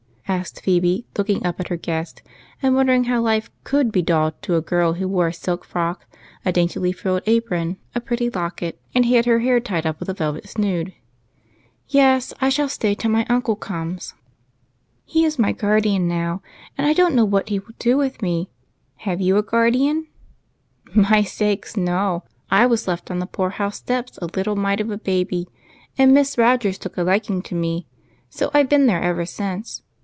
asked Phebe, looking up at her guest and wondering how life could be dull to a girl who wore a silk frock, a daintily frilled apron, a pretty locket, and had her hair tied up with a velvet snood. " Yes, I shall stay till my uncle comes. He is my 6 EIGHT COUSINS. guardian now, and I don't know what he will do with me. Have you a guardian ?"" My sakes, no ! I was left on the poor house steps a little mite of a baby, and Miss Rogers took a liking to me, so I 've been there ever since.